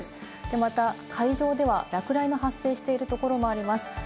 また海上では落雷が発生しているところもあります。